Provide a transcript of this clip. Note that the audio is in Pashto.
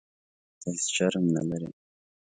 ته هیح شرم نه لرې.